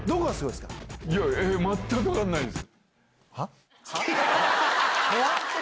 えー、全く分かんないです。